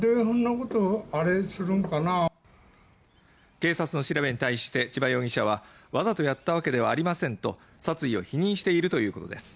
警察の調べに対してチバ容疑者はわざとやったわけではありませんと殺意を否認しているということです。